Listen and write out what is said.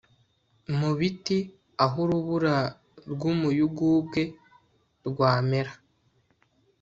mu biti, aho urubura rw'umuyugubwe rwamera